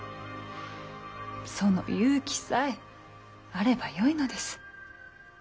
その勇気さえあればよいのです。